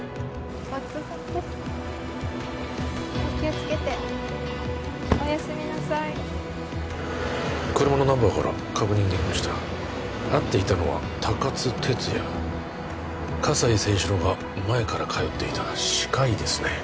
ごちそうさまでしたお気をつけておやすみなさい車のナンバーから確認できました会っていたのは高津哲也葛西征四郎が前から通っていた歯科医ですね